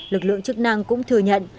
lực lượng chức năng cũng thừa nhận